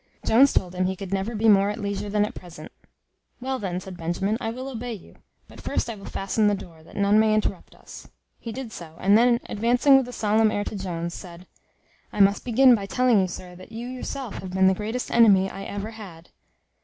Jones told him, he could never be more at leisure than at present. "Well, then," said Benjamin, "I will obey you; but first I will fasten the door, that none may interrupt us." He did so, and then advancing with a solemn air to Jones, said: "I must begin by telling you, sir, that you yourself have been the greatest enemy I ever had."